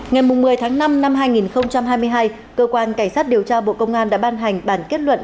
ngày một mươi tháng năm năm hai nghìn hai mươi hai cơ quan cảnh sát điều tra bộ công an đã ban hành bản kết luận